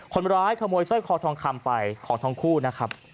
คนร้ายขโมยสร้อยคอทองคำไปของทั้งคู่นะครับ